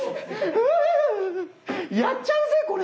う！やっちゃうぜこれ！